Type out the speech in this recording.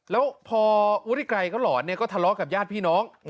แล้วพอวุฒิกรัยก็หลอนก็ทะเลาะกับญาติพี่น้อง